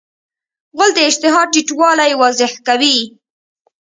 غول د اشتها ټیټوالی واضح کوي.